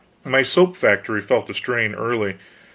My soap factory felt the strain early.